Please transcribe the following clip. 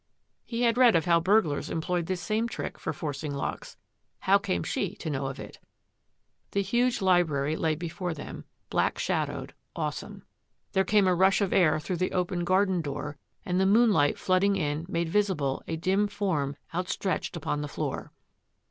He had read of how burglars employed this same trick for forcing locks. How came she to know of it? The huge library lay before them, black shadowed, awesome. There came a rush of air through the open garden door, and the moonlight flooding in made visible a dim form outstretched upon the floor.